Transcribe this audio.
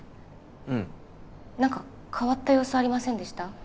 うん変わった様子ありませんでした？